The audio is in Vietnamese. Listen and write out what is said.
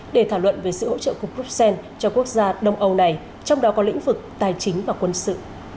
để thảo luận về sự hỗ trợ của bruxelles cho quốc gia đông âu này trong đó có lĩnh vực tài chính và quân sự